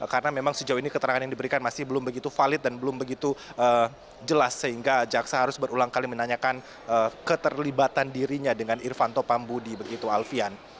karena memang sejauh ini keterangan yang diberikan masih belum begitu valid dan belum begitu jelas sehingga jaksa harus berulang kali menanyakan keterlibatan dirinya dengan irfanto pambudia begitu alvian